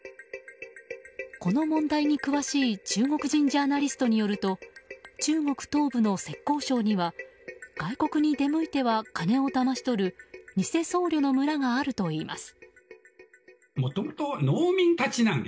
この問題に詳しい中国人ジャーナリストによると中国東部の浙江省には外国に出向いては金をだまし取る偽僧侶の村があるといいます。